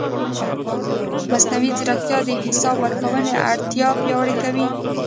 مصنوعي ځیرکتیا د حساب ورکونې اړتیا پیاوړې کوي.